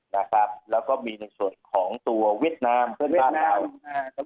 นะครับแล้วก็มีในส่วนของตัวเว็ดนามเพื่อนท่านเราเว็ดนามอ่า